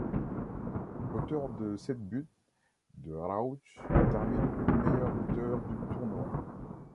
Auteur de sept buts, de Rauch termine meilleur buteur du tournoi.